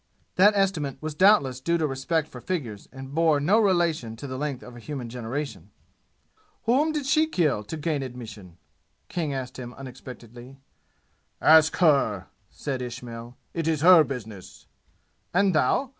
(That estimate was doubtless due to a respect for figures and bore no relation to the length of a human generation.) "Whom did she kill to gain admission?" King asked him unexpectedly. "Ask her!" said Ismail. "It is her business." "And thou?